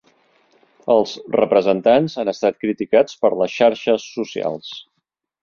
Els representants han estat criticats per les xarxes socials.